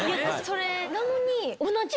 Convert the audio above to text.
それなのに。